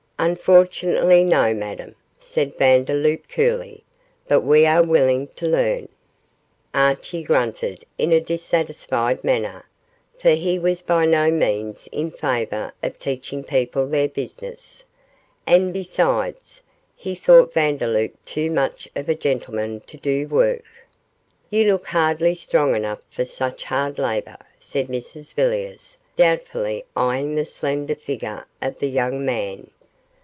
'Unfortunately, no, Madame,' said Vandeloup, coolly; 'but we are willing to learn.' Archie grunted in a dissatisfied manner, for he was by no means in favour of teaching people their business, and, besides, he thought Vandeloup too much of a gentleman to do good work. 'You look hardly strong enough for such hard labour,' said Mrs Villiers, doubtfully eyeing the slender figure of the young man.